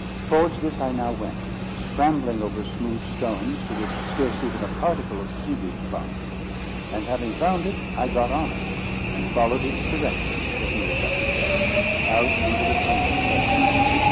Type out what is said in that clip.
Towards this I now went, scrambling over smooth stones, to which scarce even a particle of sea weed clung; and having found it, I got on it, and followed its direction, as near as I could guess, out into the tumbling chaos.